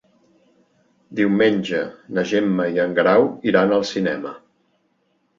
Diumenge na Gemma i en Guerau iran al cinema.